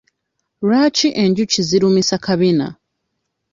Lwaki enjuki zirumisa kabina?